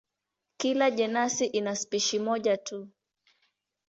Kila jenasi ina spishi moja tu.